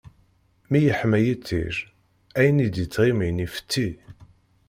Mi yeḥma yiṭij, ayen i d-ittɣimin ifetti.